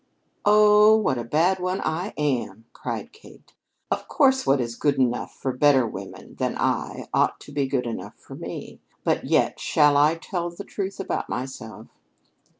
"Oh, what a bad one I am!" cried Kate. "Of course what is good enough for better women than I ought to be good enough for me. But yet shall I tell the truth about myself?"